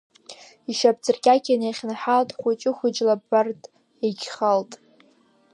Ишьапҵыркьакьан иахьынҳалт, хәыҷы-хәыҷла абард иагьхалт.